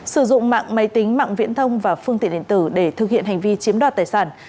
sử dụng mạng máy tính mạng viễn thông và phương tiện điện tử để thực hiện hành vi chiếm đoạt tài sản